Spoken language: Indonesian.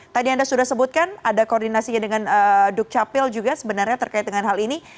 tadi anda sudah sebutkan ada koordinasinya dengan dukcapil juga sebenarnya terkait dengan hal ini